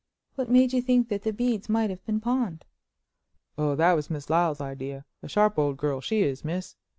"What made you think that the beads might have been pawned?" "Oh, that was Miss Lyle's idea; a sharp old girl she is, miss.